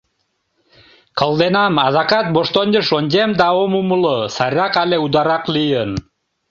Кылденам — адакат воштончышыш ончем да ом умыло — сайрак але ударак лийын.